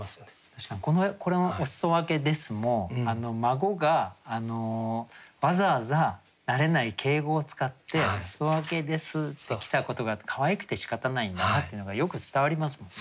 確かにこれの「おすそわけです」も孫がわざわざ慣れない敬語を使って「おすそわけです」って来たことがかわいくてしかたないんだなっていうのがよく伝わりますもんね。